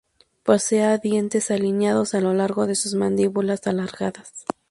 Poseía dientes alineados a lo largo de sus mandíbulas alargadas.